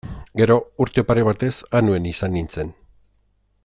Gero, urte pare batez Anuen izan nintzen.